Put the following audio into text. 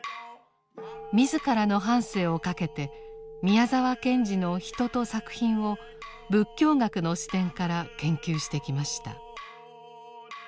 自らの半生をかけて宮沢賢治の人と作品を仏教学の視点から研究してきました。